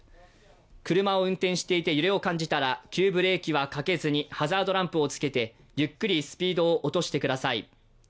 車を運転していて揺れを感じましたら急ブレーキをせずにハザードランプをつけてゆっくりスピードを落としてください。